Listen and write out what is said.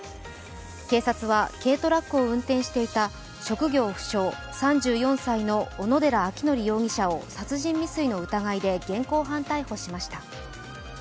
警察は軽トラックを運転していた職業不詳、３４歳の小野寺章仁容疑者を殺人未遂の疑いで現行犯逮捕しました。